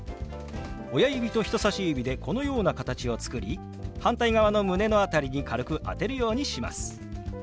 親指と人さし指でこのような形を作り反対側の胸の辺りに軽く当てるようにします。